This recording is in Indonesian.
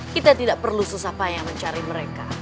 kita tidak perlu susah payah mencari mereka